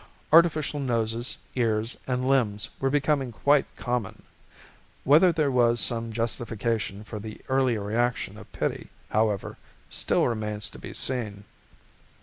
Artificial noses, ears and limbs were becoming quite common. Whether there was some justification for the earlier reaction of pity, however, still remains to be seen.